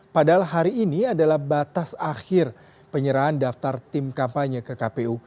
padahal hari ini adalah batas akhir penyerahan daftar tim kampanye ke kpu